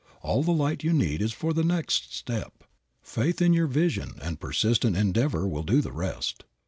All the light you need is for the next step. Faith in your vision and persistent endeavor will do the rest.